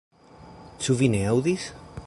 Ĉu vi ne aŭdis?